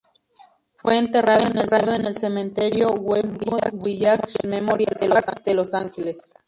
Fue enterrado en el Cementerio Westwood Village Memorial Park de Los Ángeles.